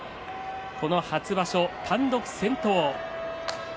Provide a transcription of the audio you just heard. この初場所、単独先頭。